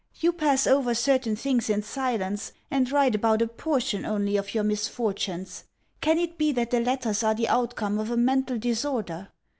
You pass over certain things in silence, and write about a PORTION only of your misfortunes. Can it be that the letters are the outcome of a mental disorder?...